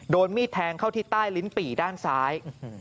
โดนมีดแทงเข้าที่ใต้ลิ้นปี่ด้านซ้าย